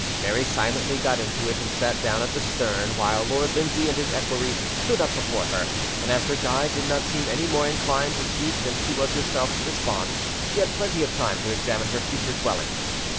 Mary silently got into it, and sat down at the stern, while Lord Lindsay and his equerry stood up before her; and as her guide did not seem any more inclined to speak than she was herself to respond, she had plenty of time to examine her future dwelling.